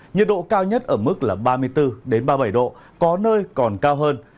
nhiệt độ cao nhất ở mức ba mươi bốn ba mươi bảy độ có nơi còn cao hơn